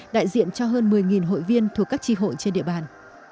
đại diện cho hơn một mươi hội viên thuộc các tri hội trên địa bàn